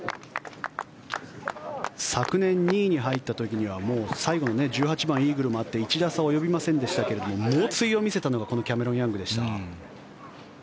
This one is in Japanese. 昨年２位に入った時にはもう、最後の１８番イーグルもあって１打差及びませんでしたが猛追を見せたのがこのキャメロン・ヤングでした。